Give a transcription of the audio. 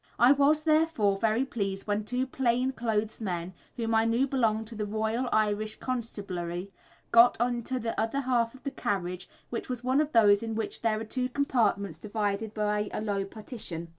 I was, therefore, very pleased when two plain clothes men whom I knew belonged to the Royal Irish Constabulary, got into the other half of the carriage, which was one of those in which there are two compartments divided by a low partition.